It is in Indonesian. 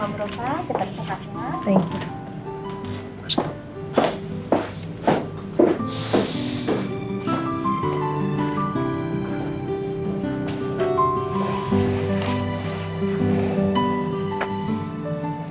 terimakasih ya dokter